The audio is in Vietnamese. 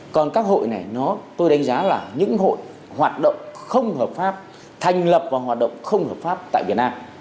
còn các hội này tôi đánh giá là những hội hoạt động không hợp pháp thành lập và hoạt động không hợp pháp tại việt nam